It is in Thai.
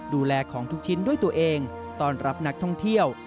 ดูแลของทุกชิ้นด้วยตัวเองต้อนรับนักท่องเที่ยว